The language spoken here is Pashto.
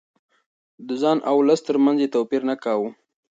د ځان او ولس ترمنځ يې توپير نه کاوه.